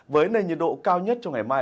với nền nhiệt độ cao nhất trong ngày mai